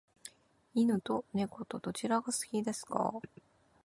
犬と猫とどちらが好きですか？